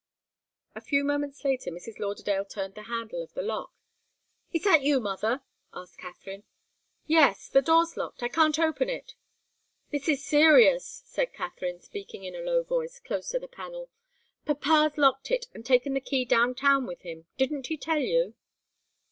A few moments later Mrs. Lauderdale turned the handle of the lock. "Is that you, mother?" asked Katharine. "Yes. The door's locked. I can't open it." "This is serious," said Katharine, speaking in a low voice, close to the panel. "Papa's locked it and taken the key down town with him. Didn't he tell you?"